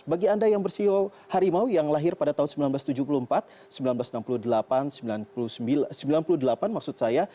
bagi anda yang bersio harimau yang lahir pada tahun seribu sembilan ratus tujuh puluh empat seribu sembilan ratus enam puluh delapan seribu sembilan ratus sembilan puluh delapan maksud saya